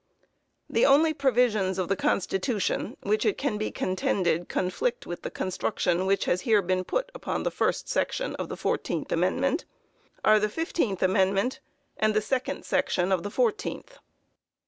The only provisions of the constitution, which it can be contended conflict with the construction which has here been put upon the first section of the fourteenth amendment, are the fifteenth amendment, and the second section of the fourteenth.